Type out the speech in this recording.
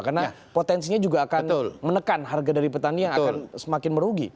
karena potensinya juga akan menekan harga dari petani yang akan semakin merugi